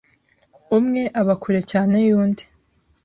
umwe aba kure cyane y’undi